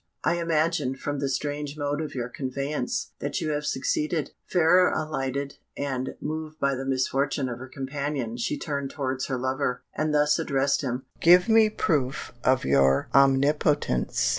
I imagine, from the strange mode of your conveyance, that you have succeeded." Fairer alighted, and, moved by the misfortune of her companion, she turned towards her lover, and thus addressed him, "Give me proof of your omnipotence."